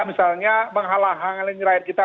menghalangi rakyat kita